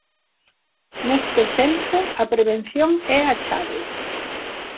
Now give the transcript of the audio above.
Neste senso, a prevención é a chave.